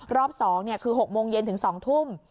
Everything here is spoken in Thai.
รอบ๒คือ๖โมงเย็นถึง๒ทุ่ม